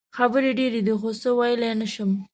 خبرې ډېرې دي خو څه ویلې نه شم.